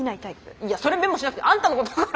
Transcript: いやそれメモしなくてあんたのことだから。